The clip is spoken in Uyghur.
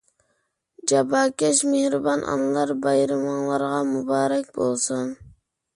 جاپاكەش، مېھرىبان ئانىلار، بايرىمىڭلارغا مۇبارەك بولسۇن!